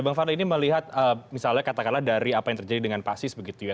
bang fadli ini melihat misalnya katakanlah dari apa yang terjadi dengan pasis begitu ya